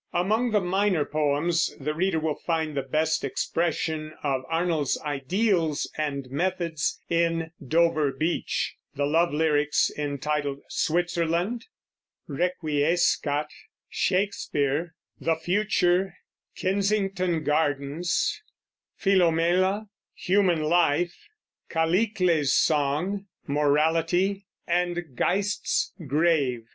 Among the minor poems the reader will find the best expression of Arnold's ideals and methods in "Dover Beach," the love lyrics entitled "Switzerland," "Requiescat," "Shakespeare," "The Future," "Kensington Gardens," "Philomela," "Human Life," "Callicles's Song," "Morality," and "Geist's Grave."